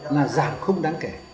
là giảm không đáng kể